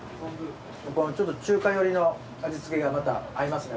やっぱちょっと中華寄りの味付けがまた合いますね